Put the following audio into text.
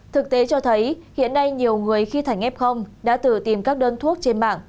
thực tế cho thấy hiện nay nhiều người khi thành f đã tự tìm các đơn thuốc trên bảng